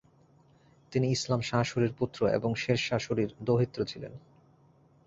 তিনি ইসলাম শাহ শুরির পুত্র এবং শের শাহ শুরির দৌহিত্র ছিলেন।